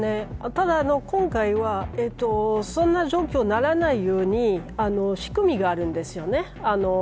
ただ、今回はそんな状況にならないように仕組みがあるんですよね。